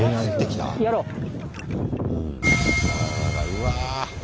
うわ。